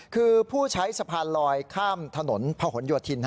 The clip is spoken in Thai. คือผู้ใช้สะพานลอยข้ามถนนพะหนโยธิน